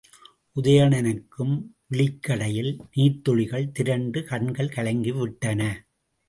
உதயணனுக்கும் விழிக் கடையில் நீர்த்துளிகள் திரண்டு கண்கள் கலங்கிவிட்டன.